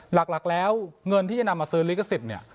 หลักแล้วเงินที่จะนำมาซื้อลิขสิทธิ์เนี่ย